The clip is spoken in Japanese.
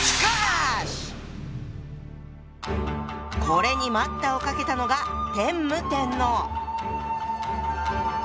これに待ったをかけたのがえ？